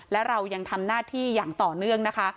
และเรายังทำหน้าที่อย่างต่อเนื่องนะคะ